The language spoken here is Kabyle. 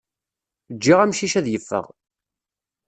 Ǧǧiɣ amcic ad yeffeɣ.